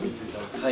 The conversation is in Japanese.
はい。